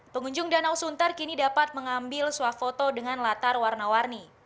pengunjung danau suntar kini dapat mengambil swafoto dengan latar warna warni